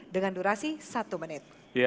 dengan durasi satu menit